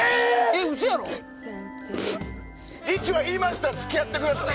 リチはいいました「付き合ってください」